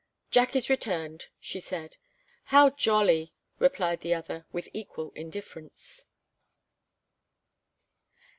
"Jack is returned," she said. "How jolly," replied the other, with equal indifference.